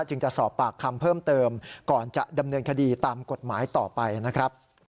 จึงจะสอบปากคำเพิ่มเติมก่อนจะดำเนินคดีตามกฎหมายต่อไปนะครับ